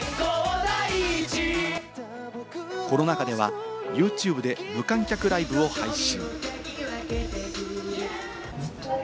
コロナ禍ではユーチューブで無観客ライブを配信。